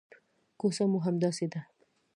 کوڅه مو همداسې ده.